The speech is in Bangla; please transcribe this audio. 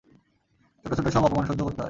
ছোট ছোট সব অপমান সহ্য করতে হয়।